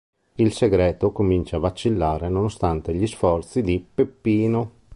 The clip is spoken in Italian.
Il segreto comincia a vacillare nonostante gli sforzi di Peppino.